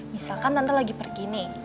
misalkan tante lagi pergi nih